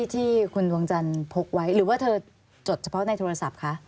ที่คุณดวงจันทร์พกไว้หรือว่าเธอจดเฉพาะในโทรศัพท์คะ